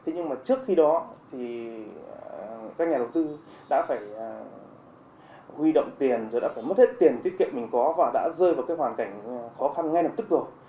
nhưng trước khi đó các nhà đầu tư đã phải huy động tiền mất hết tiền tiết kiệm mình có và đã rơi vào hoàn cảnh khó khăn ngay lập tức rồi